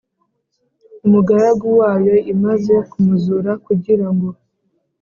Umugaragu wayo imaze kumuzura kugira ngo